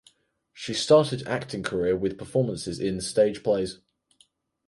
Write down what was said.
She started acting career with performances in the stage plays.